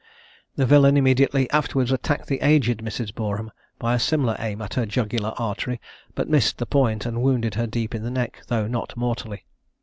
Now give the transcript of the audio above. The villain immediately afterwards attacked the aged Mrs. Boreham, by a similar aim at her jugular artery, but missed the point, and wounded her deep in the neck, though not mortally.